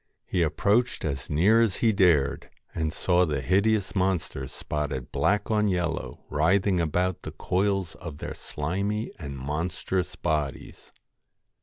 He approached as near as he GOLDEN dared, an( ^ saw ^ e hideous monsters spotted black LOCKS on yellow writhing about the coils of their slimy and monstrous bodies.